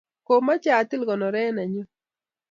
kamoche atil konore nenyu.